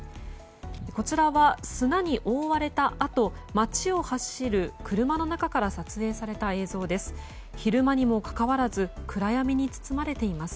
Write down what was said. こちらは砂に覆われたあと街を走る車の中から撮影された映像です。